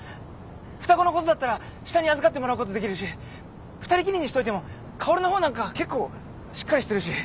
双子のことだったら下に預かってもらうことできるし２人きりにしといても薫の方なんか結構しっかりしてるし。